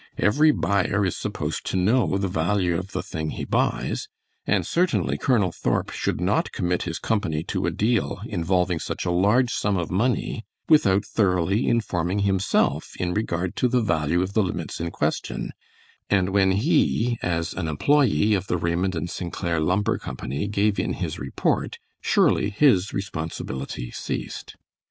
Every buyer is supposed to know the value of the thing he buys, and certainly Colonel Thorp should not commit his company to a deal involving such a large sum of money without thoroughly informing himself in regard to the value of the limits in question, and when he, as an employee of the Raymond and St. Clair Lumber Company, gave in his report, surely his responsibility ceased.